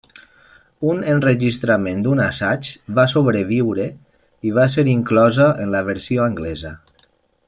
Un enregistrament d'un assaig va sobreviure i va ser inclosa en la versió anglesa.